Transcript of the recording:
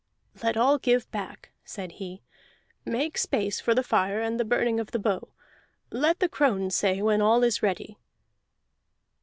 "Let all give back," said he. "Make space for the fire and the burning of the bow. Let the crone say when all is ready."